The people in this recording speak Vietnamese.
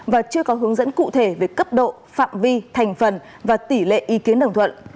và chưa có hướng dẫn cụ thể về cấp độ phạm vi thành phần và tỷ lệ ý kiến đồng thuận